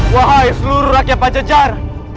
wahai seluruh rakyat pancacar